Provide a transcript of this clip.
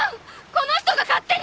この人が勝手に！！